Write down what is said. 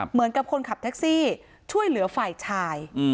เหมือนกับคนขับแท็กซี่ช่วยเหลือฝ่ายชาย